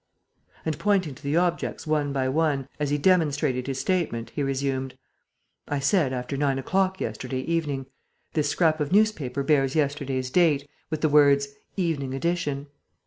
And, pointing to the objects one by one, as he demonstrated his statement, he resumed: "I said, after nine o'clock yesterday evening. This scrap of newspaper bears yesterday's date, with the words, 'Evening edition.'